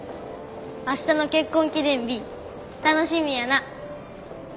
明日の結婚記念日楽しみやな。